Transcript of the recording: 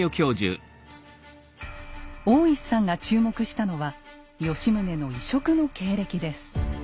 大石さんが注目したのは吉宗の異色の経歴です。